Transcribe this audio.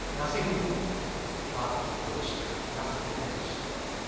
Nothing more. But, also, nothing less.